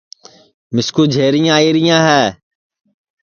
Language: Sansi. مِسکُو جھریاں آئیریاں ہے